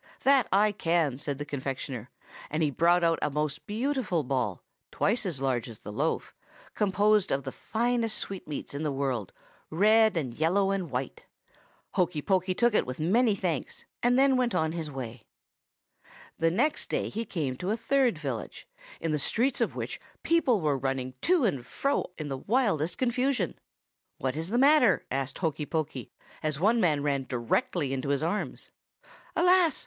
"'That can I!' said the confectioner; and he brought out a most beautiful ball, twice as large as the loaf, composed of the finest sweetmeats in the world, red and yellow and white. Hokey Pokey took it with many thanks, and then went on his way. "The next day he came to a third village, in the streets of which the people were all running to and fro in the wildest confusion. "'What is the matter?' asked Hokey Pokey, as one man ran directly into his arms. "'Alas!